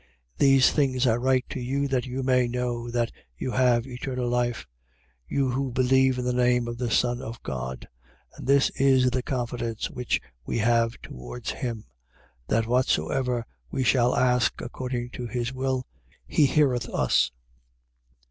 These things I write to you that you may know that you have eternal life: you who believe in the name of the Son of God. 5:14. And this is the confidence which we have towards him: That, whatsoever we shall ask according to his will, he heareth us.